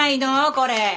これ。